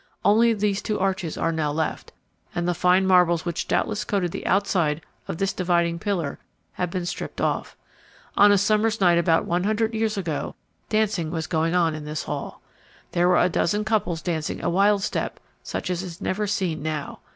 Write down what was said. Only these two arches are now left, and the fine marbles which doubtless coated the outside of this dividing pillar have been stripped off. On a summer's night about one hundred years ago dancing was going on in this hall. There were a dozen couples dancing a wild step such as is never seen now.